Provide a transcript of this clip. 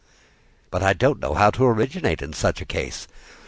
"But I don't know how to originate, in such a case.